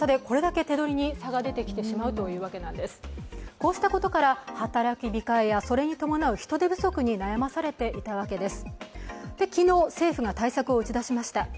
こうしたことから働き控えやそれに伴う人手不足に悩まされていたわけです